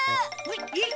えっ？